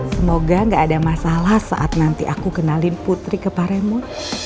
semoga gak ada masalah saat nanti aku kenalin putri ke paremu